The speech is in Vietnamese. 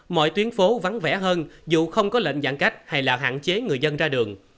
mọi tuyến phố vắng vẻ hơn dù không có lệnh giãn cách hay là hạn chế người dân ra đường